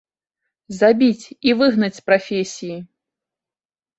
Забіць і выгнаць з прафесіі!